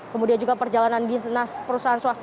kemudian juga perjalanan dinas perusahaan swasta